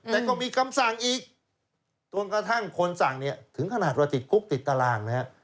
แต่ก็มีคำสั่งอีกจนกระทั่งคนสั่งเนี่ยถึงขนาดว่าติดคุกติดตารางนะฮะ